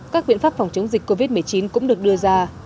các biện pháp phòng chống dịch covid một mươi chín cũng được đưa ra